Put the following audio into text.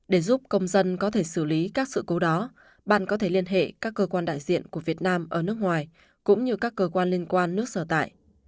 để giúp công dân có thể xử lý các sự cố đó ban có thể liên hệ các cơ quan đại diện của việt nam ở nước ngoài cũng như các cơ quan liên quan nước sở tại